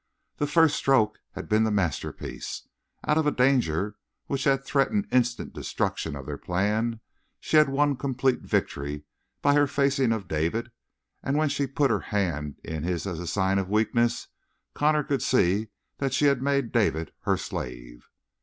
The first stroke had been the masterpiece. Out of a danger which had threatened instant destruction of their plan she had won complete victory by her facing of David, and when she put her hand in his as a sign of weakness, Connor could see that she had made David her slave.